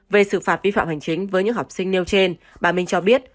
về xử phạt vi phạm hành chính với những học sinh nêu trên bà minh cho biết